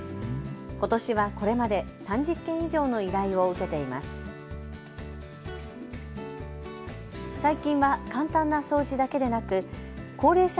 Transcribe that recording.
ことしはこれまで３０件以上の依頼を受けています。